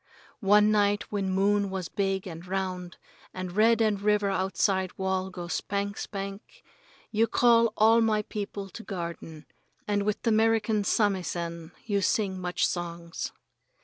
One night when moon was big and round and red and river outside wall go spank, spank, you call all my people to garden, and with the 'Merican samisen you sing much songs.